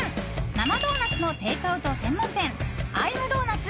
生ドーナツのテイクアウト専門店Ｉ’ｍｄｏｎｕｔ？